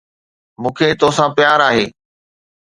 مون کي توسان پيار آھي.